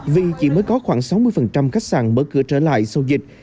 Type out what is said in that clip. vì chỉ mới có khoảng sáu mươi khách sạn mở cửa trở lại sau dịch